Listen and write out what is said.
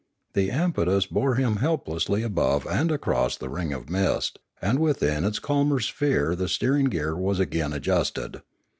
The impetus bore him helpless above and across the ring of mist, and within its calmer sphere the steering gear was again adjusted.